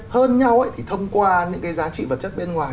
hơn nhau thì thông qua những cái giá trị vật chất bên ngoài